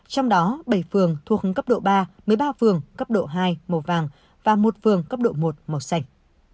trong đó bảy phường thuộc cấp độ ba một mươi ba phường cấp độ hai màu vàng và một phường cấp độ một màu xanh